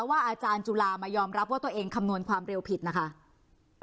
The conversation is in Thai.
อาจารย์จุลามายอมรับว่าตัวเองคำนวณความเร็วผิดนะคะ